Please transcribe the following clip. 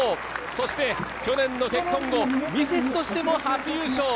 そして去年の結婚後、ミセスとしても初優勝。